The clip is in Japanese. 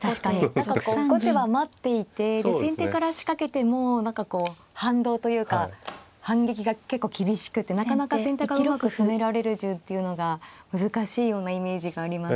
何かこう後手は待っていて先手から仕掛けても何かこう反動というか反撃が結構厳しくてなかなか先手がうまく攻められる順っていうのが難しいようなイメージがあります。